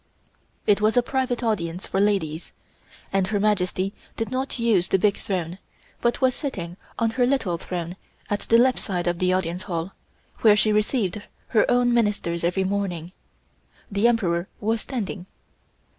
It was a private audience for ladies, and Her Majesty did not use the big throne, but was sitting on her little throne at the left side of the Audience Hall, where she received her own Ministers every morning; the Emperor was standing.